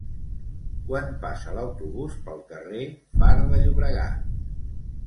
Quan passa l'autobús pel carrer Far de Llobregat?